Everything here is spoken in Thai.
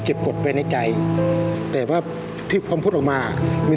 เขามาที่ดี